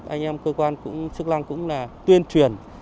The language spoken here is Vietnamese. anh em cơ quan chức năng cũng tuyên truyền